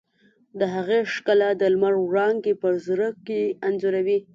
د هغې ښکلا د لمر وړانګې په زړه کې انځوروي.